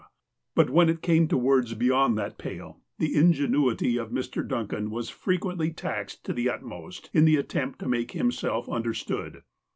But when it came to words beyond that pale, the ingenuity of Mr. Duncan was frequently taxed to the ut most in the attempt to make himself understood.